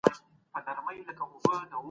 لس او يو؛ يوولس کېږي.